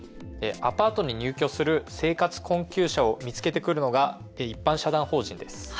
アパートに入居する生活困窮者を見つけてくるのが一般社団法人です。